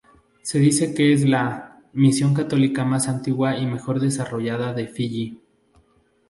Se dice que es la "misión católica más antigua y mejor desarrollada en Fiyi".